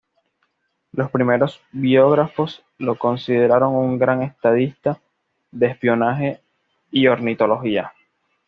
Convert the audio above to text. Los primeros biógrafos lo consideraron un gran estadista de espionaje y ornitología.